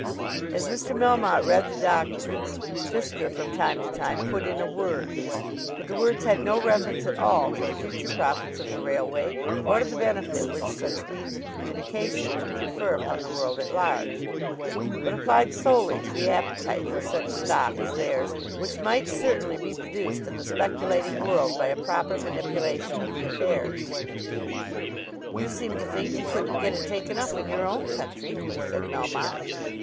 As Mr. Melmotte read the documents, Fisker from time to time put in a word. But the words had no reference at all to the future profits of the railway, or to the benefit which such means of communication would confer upon the world at large; but applied solely to the appetite for such stock as theirs, which might certainly be produced in the speculating world by a proper manipulation of the affairs. [Illustration: Then Mr. Fisker began his account.] "You seem to think you couldn't get it taken up in your own country," said Melmotte.